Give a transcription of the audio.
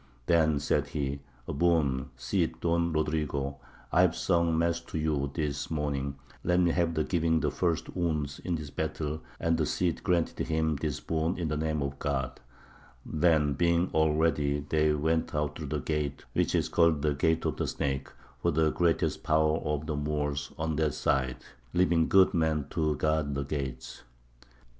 Then said he, A boon, Cid Don Rodrigo; I have sung mass to you this morning: let me have the giving the first wounds in this battle and the Cid granted him this boon in the name of God. Then, being all ready, they went out through the gate which is called the Gate of the Snake, for the greatest power of the Moors was on that side, leaving good men to guard the gates.